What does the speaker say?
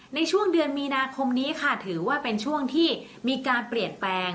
ในช่วงเดือนมีนาคมนี้ค่ะถือว่าเป็นช่วงที่มีการเปลี่ยนแปลง